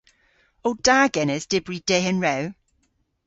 O da genes dybri dehen rew?